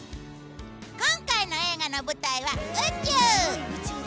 今回の映画の舞台は宇宙。